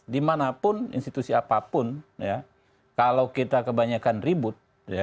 dimanapun institusi apapun kalau kita kebanyakan ribut